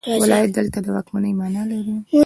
ولایت دلته د واکمنۍ معنی لري.